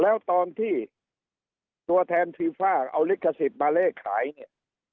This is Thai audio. แล้วตอนที่ตัวแทนฟีฟ่าเอาลิขสิทธิ์มาเลขขายเนี่ย